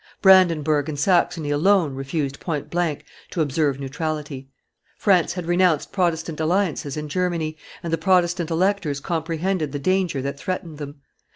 Brandenburg and Saxony alone refused point blank to observe neutrality; France had renounced Protestant alliances in Germany, and the Protestant electors comprehended the danger that threatened them.